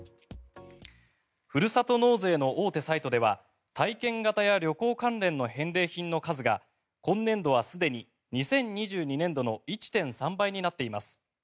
ふるさと納税の大手サイトでは体験型や旅行関連の返礼品の数が今年度はすでに２０２２年度の１．３倍になっています。